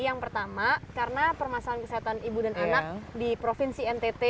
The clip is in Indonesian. yang pertama karena permasalahan kesehatan ibu dan anak di provinsi ntt